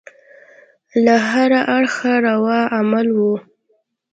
له هره اړخه روا عمل وو.